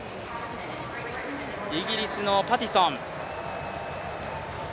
イギリスのパティソン。